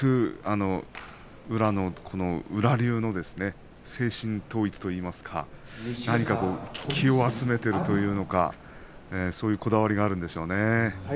宇良流の精神統一といいますか何か気を集めているというかそういうこだわりがあるんでしょうね。